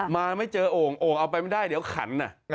มาไม่เจอโอ่งโอ่งเอาไปไม่ได้เดี๋ยวขัน